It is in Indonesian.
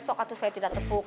so kak itu saya tidak tepuk